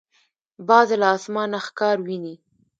باز له اسمانه ښکار ویني.